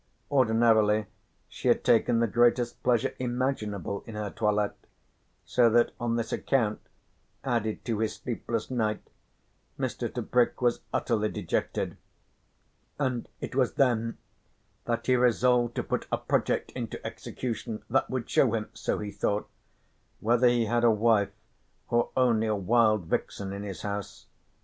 Ordinarily she had taken the greatest pleasure imaginable in her toilet, so that on this account, added to his sleepless night, Mr. Tebrick was utterly dejected, and it was then that he resolved to put a project into execution that would show him, so he thought, whether he had a wife or only a wild vixen in his house.